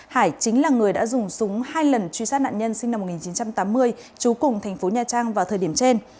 hải chính là người đã dùng súng hai lần truy sát nạn nhân sinh năm một nghìn chín trăm tám mươi chú cùng thành phố nha trang vào thời điểm trên